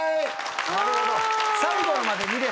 なるほど。